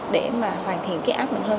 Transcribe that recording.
để mà hoàn thiện cái app mình hơn